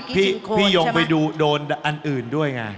พี่ยงไปดูโดนอันอื่นด้วยไง